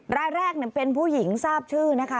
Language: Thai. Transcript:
รายแรกเป็นผู้หญิงทราบชื่อนะคะ